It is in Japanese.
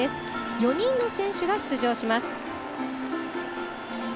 ４人の選手が出場します。